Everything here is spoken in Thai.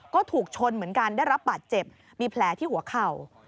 ก็ถูกชนเหมือนกันได้รับบาดเจ็บมีแผลที่หัวเข่า